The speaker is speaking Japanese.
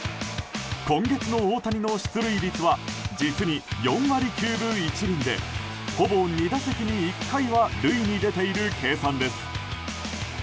今月の大谷の出塁率は実に４割９分１厘でほぼ２打席に１回は塁に出ている計算です。